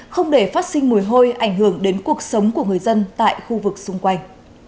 không để phát sinh mùi hôi ảnh hưởng đến cuộc sống của người dân tại khu vực xung quanh